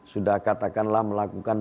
sudah katakanlah melakukan